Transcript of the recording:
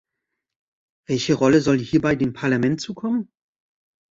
Welche Rolle soll hierbei dem Parlament zukommen?